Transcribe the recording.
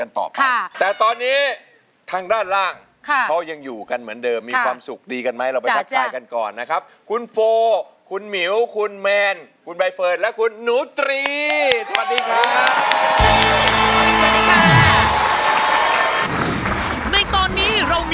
ตอบค่ะแต่ตอนนี้ทางด้านล่างเขายังอยู่กันเหมือนเดิมมีความสุขดีกันไหมเราไปทักทายกันก่อนนะครับคุณโฟคุณหมิวคุณแมนคุณใบเฟิร์นและคุณหนูตรีสวัสดีครับ